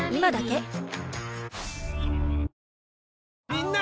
みんな！